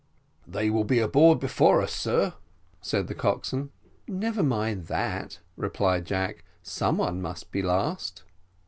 "They will be aboard before us, sir," said the coxswain. "Never mind that," replied Jack; "some one must be last."